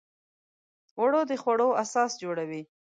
اوړه د خوړو اساس جوړوي